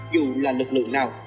dù là lực lượng nào